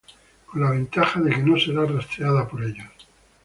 con la ventaja de que no serás rastreada por ellos